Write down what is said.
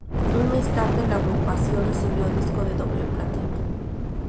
Un mes más tarde la agrupación recibió disco de doble platino.